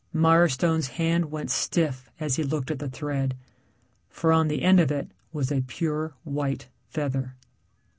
Mirestone's hand went stiff as he looked at the thread, for on the end of it was a pure white feather.